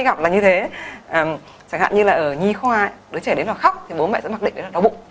hay gặp là như thế chẳng hạn như là ở nhi khoa đứa trẻ đến là khóc thì bố mẹ sẽ mặc định là đau bụng